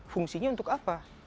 fungsinya untuk apa